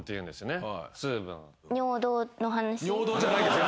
尿道じゃないですよ。